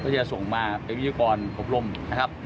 ก็จะส่งมาเป็นวิธีกรพบรมนะครับ